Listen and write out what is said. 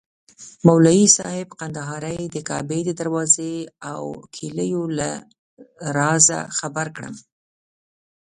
مولوي صاحب کندهاري د کعبې د دروازې او کیلیو له رازه خبر کړم.